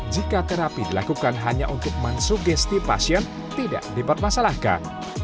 jika terapi dilakukan hanya untuk mensugesti pasien tidak dipermasalahkan